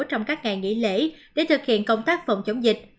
trong các ngày nghỉ lễ để thực hiện công tác phòng chống dịch